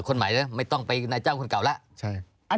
คนใหม่เลยไม่ต้องไปนายจ้างคนเก่าแล้ว